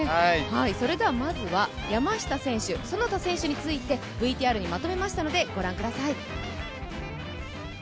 まずは山下選手、其田選手について、ＶＴＲにまとめましたのでご覧ください。